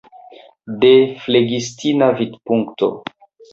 De flegistina vidpunkto.